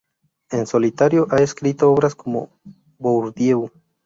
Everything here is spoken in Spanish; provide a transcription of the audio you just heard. En solitario ha escrito obras como "Bourdieu.